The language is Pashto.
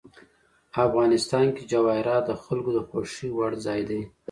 افغانستان کې جواهرات د خلکو د خوښې وړ ځای دی.